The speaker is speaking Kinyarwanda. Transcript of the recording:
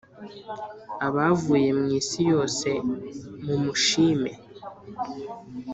Abavuye mwisi yose mu mushime